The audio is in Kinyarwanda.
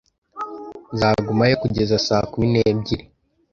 Nzagumayo kugeza saa kumi n'ebyiri.